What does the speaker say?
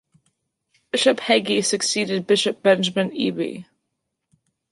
Bishop Hagey succeeded Bishop Benjamin Eby.